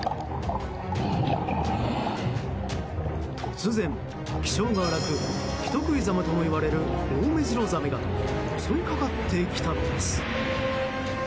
突然、気性が荒く人食いザメともいわれるオオメジロザメが襲いかかってきたのです。